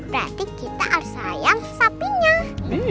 berarti kita harus sayang sapinya